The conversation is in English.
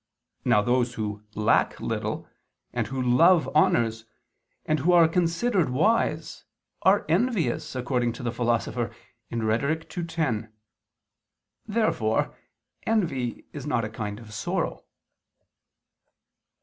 Now those who lack little, and who love honors, and who are considered wise, are envious, according to the Philosopher (Rhet. ii, 10). Therefore envy is not a kind of sorrow.